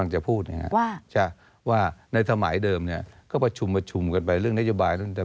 ผมจะพูดนะฮะว่าในสมัยเดิมเนี่ยก็ประชุมกันไปเรื่องนโยบาย